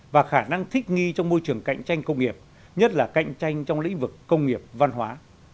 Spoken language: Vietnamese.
và khả năng thích nghi trong môi trường cạnh tranh công nghiệp nhất là cạnh tranh trong lĩnh vực công nghiệp văn hóa